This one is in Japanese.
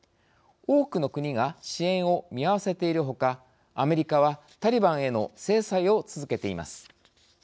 多くの国が支援を見合わせているほかアメリカはタリバンへの制裁を続けています。